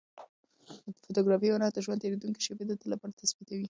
د فوتوګرافۍ هنر د ژوند تېرېدونکې شېبې د تل لپاره ثبتوي.